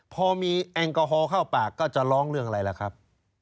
พอมีแอลกอฮอลเข้าปากก็จะร้องเรื่องอะไรล่ะครับ